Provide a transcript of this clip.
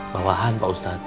bawahan pak ustadz